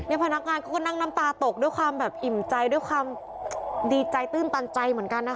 พนักงานเขาก็นั่งน้ำตาตกด้วยความแบบอิ่มใจด้วยความดีใจตื้นตันใจเหมือนกันนะคะ